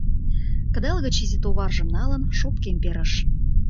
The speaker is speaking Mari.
Кыдал гычше изи товаржым налын, шопкем перыш.